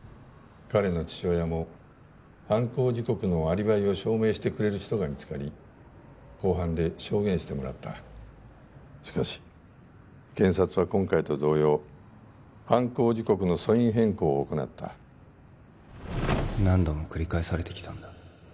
彼の父親も犯行時刻のアリバイを証明してくれる人が見つかり公判で証言してもらったしかし検察は今回と同様犯行時刻の訴因変更を行った何度も繰り返されてきたんだ